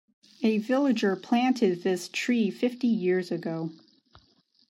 A villager planted this tree fifty years ago.